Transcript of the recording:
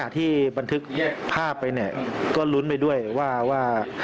ในขณะที่บันทึกภาพไปก็ลุ้นไปด้วยว่า